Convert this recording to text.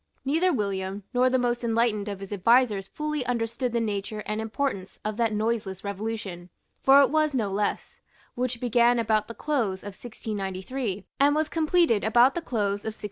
Neither William nor the most enlightened of his advisers fully understood the nature and importance of that noiseless revolution, for it was no less, which began about the close of 1693, and was completed about the close of 1696.